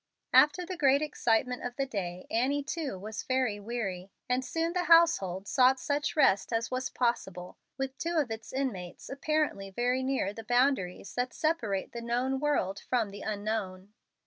After the great excitement of the day, Annie, too, was very weary, and soon the household sought such rest as was possible with two of its inmates apparently very near the boundaries that separate the known world from the unknown.